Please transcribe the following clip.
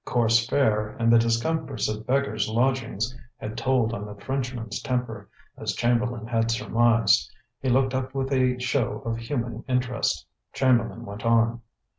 Coarse fare and the discomforts of beggars' lodgings had told on the Frenchman's temper, as Chamberlain had surmised. He looked up with a show of human interest. Chamberlain went on.